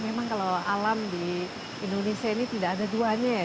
memang kalau alam di indonesia ini tidak ada duanya ya